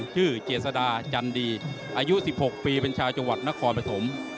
เจษดาจันดีอายุ๑๖ปีเป็นชาวจังหวัดนครปฐม